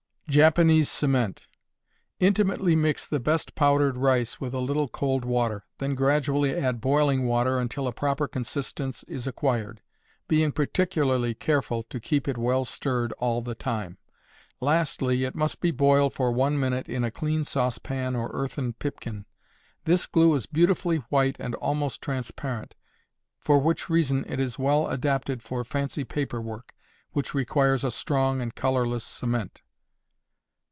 Japanese Cement. Intimately mix the best powdered rice with a little cold water, then gradually add boiling water until a proper consistence is acquired, being particularly careful to keep it well stirred all the time; lastly, it must be boiled for one minute in a clean saucepan or earthern pipkin. This glue is beautifully white and almost transparent, for which reason it is well adapted for fancy paper work, which requires a strong and colorless cement.